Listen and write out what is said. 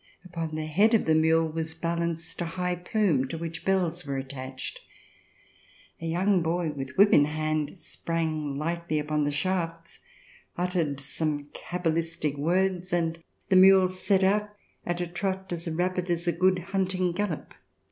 Upon the head of the mule was balanced a high plume to which bells were attached. A young boy, with whip in hand, sprang lightly upon the shafts, uttered some cabalistic words, and the mule set out at a trot as rapid as a good hunting gallop.